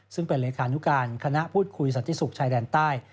ซึ่งเป็นเลขานุการคณะพูดคุยสันติสุขชายแดนใต้